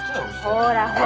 ほらほら